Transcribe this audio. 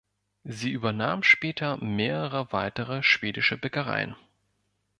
Sie übernahm später mehrere weitere schwedische Bäckereien.